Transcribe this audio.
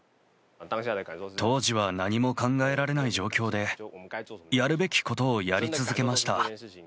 当時は何も考えられない状況でやるべきことをやり続けました。